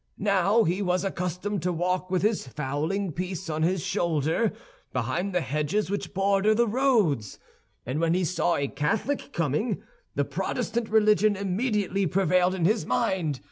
Now, he was accustomed to walk with his fowling piece on his shoulder, behind the hedges which border the roads, and when he saw a Catholic coming alone, the Protestant religion immediately prevailed in his mind.